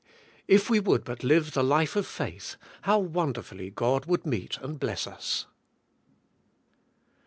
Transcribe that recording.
If we would but liye the life of faith how wonderfully God would meet and bless us.